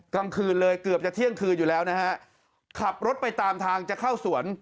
กลางคืนเลยเกือบจะเที่ยงคืนอยู่แล้วนะฮะขับรถไปตามทางจะเข้าสวน